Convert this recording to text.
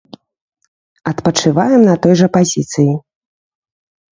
Адпачываем на той жа пазіцыі.